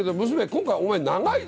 今回お前長いぞ！